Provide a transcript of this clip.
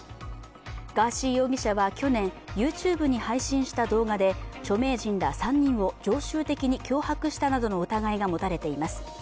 ガーシー容疑者は、去年ＹｏｕＴｕｂｅに配信した動画で著名人ら３人を常習的に脅迫したなどの疑いが持たれています。